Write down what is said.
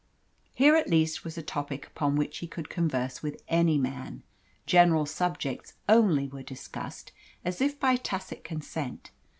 Here at least was a topic upon which he could converse with any man. General subjects only were discussed, as if by tacit consent.